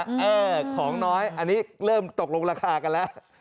ของน้อยอันนี้เริ่มตกลงราคากันแล้ว